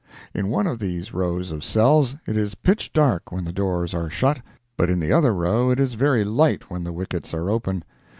In one of these rows of cells it is pitch dark when the doors are shut, but in the other row it is very light when the wickets are open.